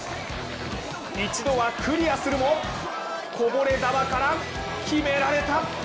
一度はクリアするも、こぼれ球から決められた！